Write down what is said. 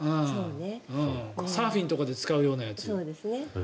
サーフィンとかで使うようなやつ。